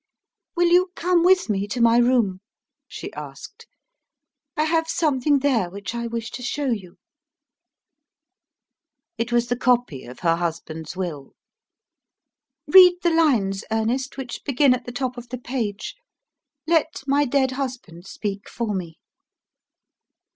"Will you come with me to my room?" she asked. "I have something there which I wish to show you." It was the copy of her husband's will. "Read the lines, Ernest, which begin at the top of the page. Let my dead husband speak for me."